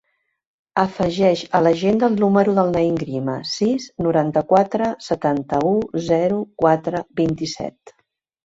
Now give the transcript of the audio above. Afegeix a l'agenda el número del Naïm Grima: sis, noranta-quatre, setanta-u, zero, quatre, vint-i-set.